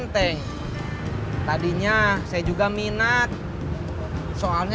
ber ujung warung